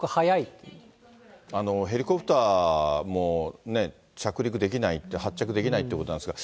ヘリコプターもね、着陸できないって、発着できないということなんですが。